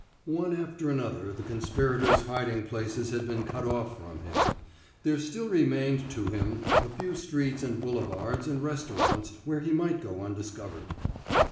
One after another the conspirators' hiding places had been cut off from him; there still remained to him a few streets and boulevards and restaurants where he might go undiscovered.